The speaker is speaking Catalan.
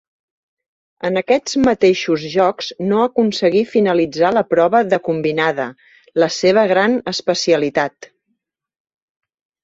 En aquests mateixos Jocs no aconseguí finalitzar la prova de combinada, la seva gran especialitat.